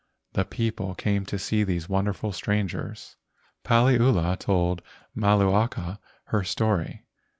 The people came to see these wonderful strangers. Paliula told Malu aka her story.